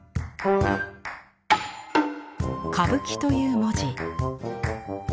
「歌舞伎」という文字。